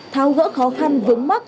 tháo gỡ khó khăn vướng mắt